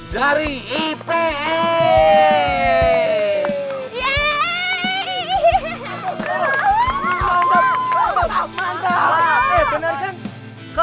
yaitu michelle dan mike